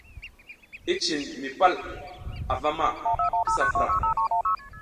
I cin mi pal avama, kisa pura.